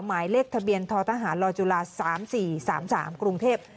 หมายเลขทะเบียนททหารลจุฬา๓๔๓๓กรุงเทพฯ